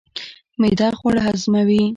معده خواړه هضموي